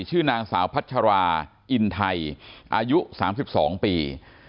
ชื่อนางสาวพัชราอินไทยอายุ๓๒ปี